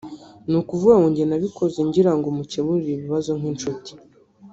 nukuvuga ngo jye nabikoze ngira ngo mukemurire ibibazo nk’inshuti